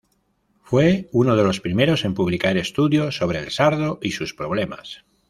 Fue uno de los primeros en publicar estudios sobre el sardo y sus problemas.